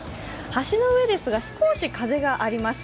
橋の上ですが、少し風があります。